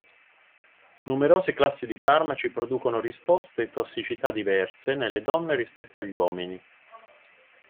Numerose classi di farmaci producono risposte e tossicità diverse nelle donne rispetto agli uomini.